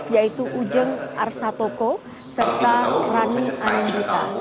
yaitu ujeng arsatoko serta rani anendita